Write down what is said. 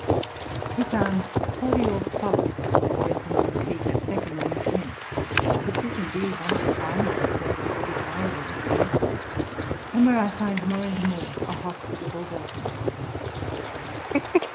He found a cordial solace at that gentleman's seat at Beckenham, in Kent, which is indeed one of the finest places at which I ever was a guest; and where I find more and more a hospitable welcome.